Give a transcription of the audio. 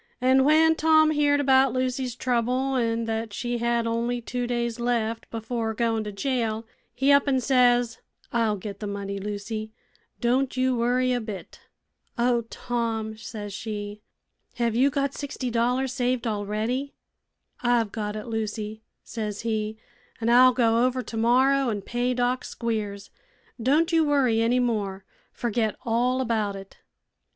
An' when Tom heerd about Lucy's trouble, an' thet she had only two days left before goin' to jail, he up an' says: 'I'll get the money, Lucy: don' you worry a bit.' 'Oh, Tom!' says she, 'hev you got sixty dollars saved already?' 'I've got it, Lucy,' says he, 'an' I'll go over tomorrow an' pay Doc Squiers. Don' you worry any more. Forget all about it.'